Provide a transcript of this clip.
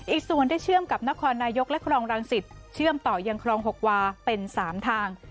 อีกส่วนได้เชื่อมกับนครนายกและครองรังสิตเชื่อมต่อยังครอง๖วาเป็น๓ทาง